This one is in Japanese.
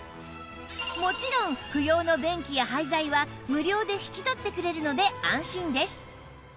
もちろん不要の便器や廃材は無料で引き取ってくれるので安心です